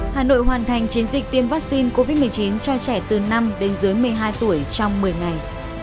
hà nội hoàn thành chiến dịch tiêm vaccine covid một mươi chín cho trẻ từ năm đến dưới một mươi hai tuổi trong một mươi ngày